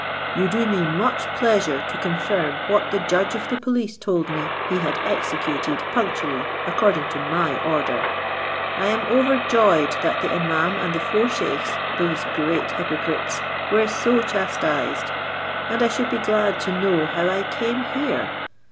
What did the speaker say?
You do me much pleasure to confirm what the judge of the police told me he had executed punctually according to my order; I am overjoyed that the imaum and the four scheiks, those great hypocrites, were so chastised, and I should be glad to know how I came here.